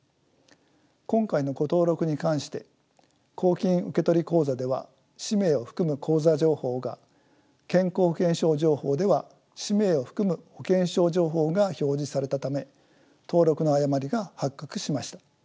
今回の誤登録に関して公金受取口座では氏名を含む口座情報が健康保険証情報では氏名を含む保険証情報が表示されたため登録の誤りが発覚しました。